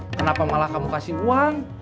kenapa malah kamu kasih uang